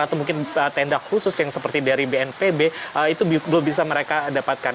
atau mungkin tenda khusus yang seperti dari bnpb itu belum bisa mereka dapatkan